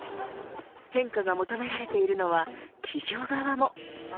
変化が求められているのは企業側も。